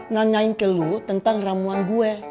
nanyain ke lu tentang ramuan gue